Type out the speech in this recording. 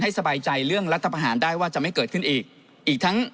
สบายใจเรื่องรัฐประหารได้ว่าจะไม่เกิดขึ้นอีกอีกทั้ง